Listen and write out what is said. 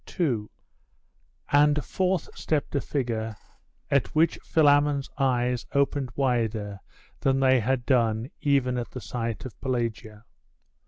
And forth stepped a figure, at which Philammon's eyes opened wider than they had done even at the sight of Pelagia.